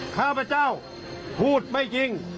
ข้าพเจ้าพูดไม่จริง